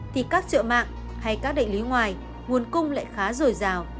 thì các chợ mạng hay các đại lý ngoài nguồn cung lại khá dồi dào